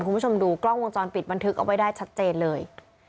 คุณผู้ชมดูกล้องวงจรปิดบันทึกเอาไว้ได้ชัดเจนเลย